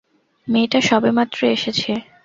মেয়েটা সবেমাত্র এসেছে!